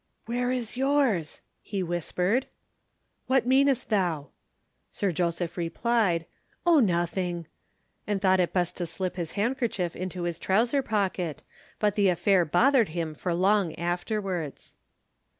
"Where is yours?" he whispered. "What meanest thou?" Sir Joseph replied, "Oh, nothing," and thought it best to slip his handkerchief into his trouser pocket, but the affair bothered him for long afterwards.